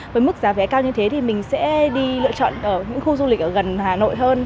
với mức giá vé cao như thế thì mình sẽ đi lựa chọn ở những khu du lịch ở gần hà nội hơn